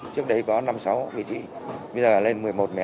trước đấy có năm sáu vị trí bây giờ là lên một mươi một một mươi hai